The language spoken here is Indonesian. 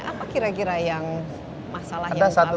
apa kira kira yang masalah yang paling besar dihadapi